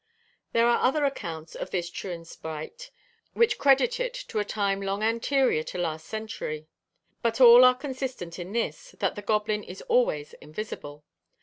' There are other accounts of this Trwyn sprite which credit it to a time long anterior to last century; but all are consistent in this, that the goblin is always invisible.